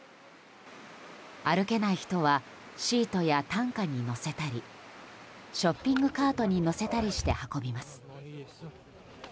歩けない人はシートや担架に乗せたりショッピングカートに乗せたりして運びます。